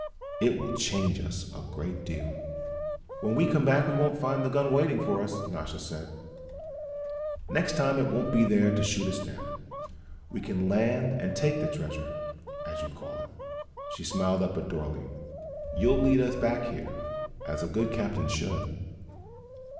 It will change us a great deal." "When we come back we won't find the gun waiting for us," Nasha said. "Next time it won't be there to shoot us down. We can land and take the treasure, as you call it." She smiled up at Dorle. "You'll lead us back there, as a good captain should."